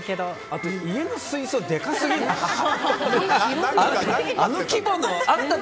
あと家の水槽、でかすぎませんか。